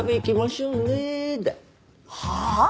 はあ？